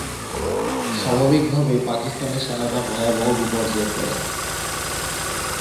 স্বাভাবিকভাবেই পাকিস্তানি সেনারা ভয়াবহ বিপর্যয়ে পড়ে।